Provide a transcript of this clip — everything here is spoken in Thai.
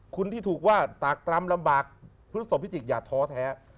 คุณที่ถูกว่าตากตรำลำบากพฤศพพิจิกอย่าท้อแท้